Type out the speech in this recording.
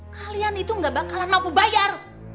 kalian itu gak bakalan mampu bayar